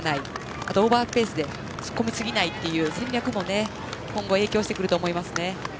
あとオーバーペースで突っ込み過ぎないという戦略も今後影響してくると思いますね。